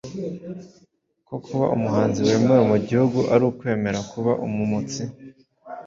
ko kuba umuhanzi wemewe mu gihugu ari ukwemera kuba "umumotsi"